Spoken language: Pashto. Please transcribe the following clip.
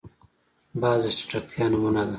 باز د چټکتیا نمونه ده